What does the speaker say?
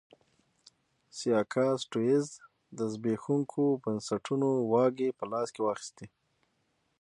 سیاکا سټیونز د زبېښونکو بنسټونو واګې په لاس کې واخیستې.